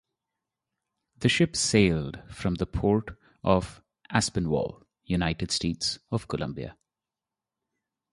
The ship sailed from the port of Aspinwall, United States of Colombia.